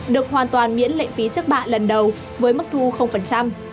được hoàn toàn miễn lệ phí trước bạ lần đầu với mức thu